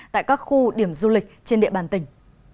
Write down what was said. tại các khu điểm du lịch trên địa bàn tỉnh